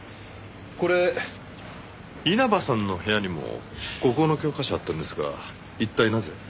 これ稲葉さんの部屋にも国語の教科書あったんですが一体なぜ？